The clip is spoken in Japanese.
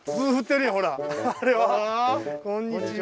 こんにちは。